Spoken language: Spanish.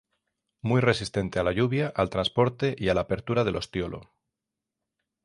Muy resistente a la lluvia, al transporte y a la apertura del ostiolo.